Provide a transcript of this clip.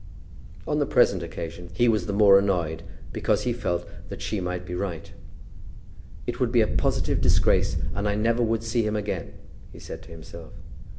On the present occasion he was the more annoyed because he felt that she might be right. "It would be a positive disgrace, and I never would see him again," he said to himself.